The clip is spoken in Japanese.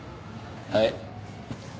はい。